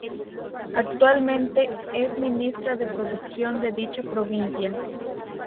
Actualmente es Ministra de Producción de dicha Provincia.